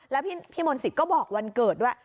แล้วพี่มนต์สิทธิ์ก็บอกวันเกิดด้วย